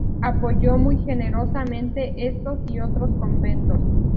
Apoyó muy generosamente estos y otros conventos.